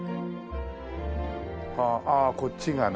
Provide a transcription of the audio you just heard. ああこっちがね。